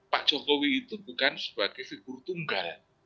pak jokowi itu bukan sebagai figur tunggal